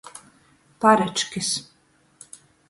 Paryčkys.